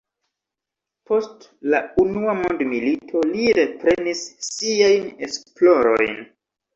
Post la Unua mondmilito li reprenis siajn esplorojn.